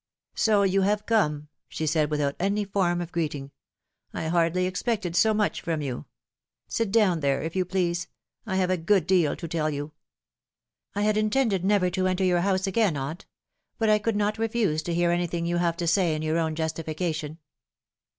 " So you have come," she said, without any form of greeting. " I hardly expected so much from you. Sit down there, if you please. I have a good deal to tell you." " I had intended never to enter your house again, aunt. But I could not refuse to hear anything you have to say in your own justification.